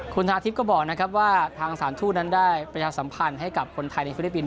คุณธาทิพย์ก็บอกนะครับว่าทางสถานทูตนั้นได้ประชาสัมพันธ์ให้กับคนไทยในฟิลิปปินส